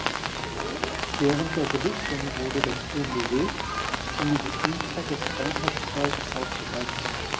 Während der Belichtung wurde der Film bewegt, um die Geschwindigkeit des Raumfahrzeugs auszugleichen.